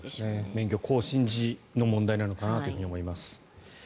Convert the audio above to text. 免許更新時の問題なのかなと思います。